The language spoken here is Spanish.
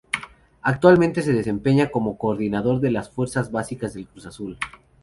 Actualmente se desempeña como coordinador de fuerzas básicas de Cruz Azul.